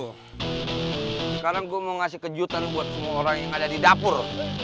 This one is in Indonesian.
sekarang gue mau ngasih kejutan buat semua orang yang ada di dapur